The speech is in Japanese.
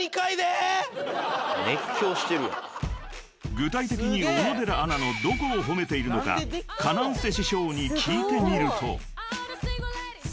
［具体的に小野寺アナのどこを褒めているのかＫａｎａｎｃＥ師匠に聞いてみると］